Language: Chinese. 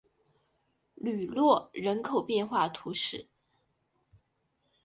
吕诺人口变化图示